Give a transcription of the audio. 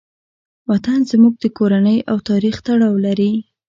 وطن زموږ د کورنۍ او تاریخ تړاو لري.